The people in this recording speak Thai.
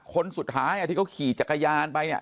คนสุดท้ายที่เขาขี่จักรยานไปเนี่ย